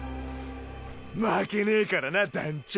負けねぇからな団ちょ。